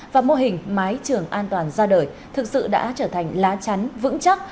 và mô hình mái trường an toàn ra đời thực sự đã trở thành lá chắn vững chắc